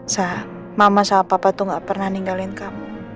sah mama sama papa tuh gak pernah ninggalin kamu